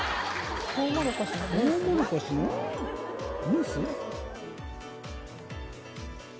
ムース？